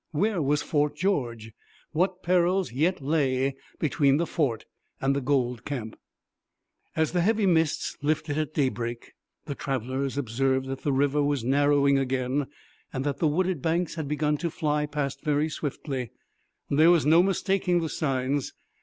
Where was Fort George? What perils yet lay between the fort and the gold camp? As the heavy mists lifted at daybreak, the travellers observed that the river was narrowing again and that the wooded banks had begun to fly past very swiftly. There was no mistaking the signs.